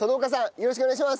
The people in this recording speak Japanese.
よろしくお願いします。